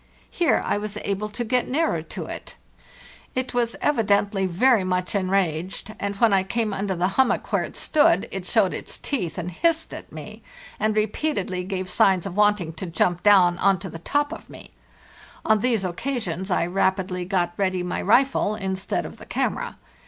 Here I was able to get nearer to it. It was 544 PARTHE ST NORD evidently very much enraged; and when I came under the hummock where it stood it showed its teeth and gave signs of wanting to hissed at me, and repeatedly g jump down on to the top of me. On these occasions I rapidly got ready my rifle instead of the camera.